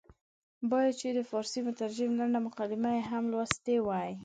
باید چې د فارسي مترجم لنډه مقدمه یې هم لوستې وای.